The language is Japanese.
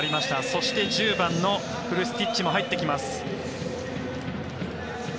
そして、１０番のフルスティッチも入ってきます。